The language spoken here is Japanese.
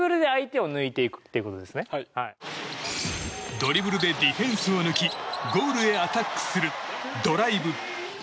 ドリブルでディフェンスを抜きゴールへアタックするドライブ。